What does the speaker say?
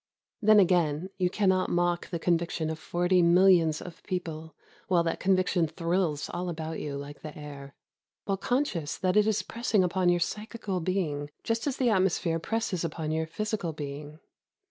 Then again you cannot mock the con viction of forty millions of people while that conviction thrills all about you like the air, — while conscious that it is pressing upon your psychical being just as the atmos phere presses upon your physical being.